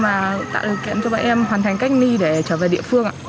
và tạo điều kiện cho bọn em hoàn thành cách ly để trở về địa phương